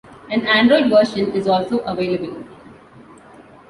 An Android version is also available.